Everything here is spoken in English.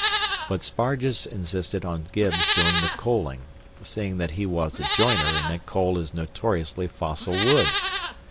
But Spargus insisted on Gibbs doing the coaling, seeing that he was a joiner and that coal is notoriously fossil wood.